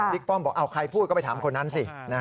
ป้อมบอกเอาใครพูดก็ไปถามคนนั้นสิ